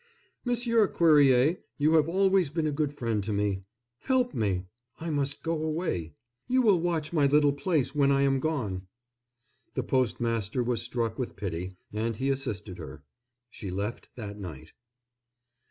"Monsieur Cuerrier, you have always been a good friend to me—help me! I must go away—you will watch my little place when I am gone!" The postmaster was struck with pity, and he assisted her. She left that night.